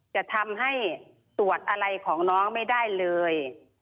จะทำให้ตรวจอะไรของน้องไม่ได้เลย